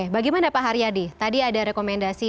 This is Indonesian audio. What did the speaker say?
bagaimana pak haryadi tadi ada rekomendasi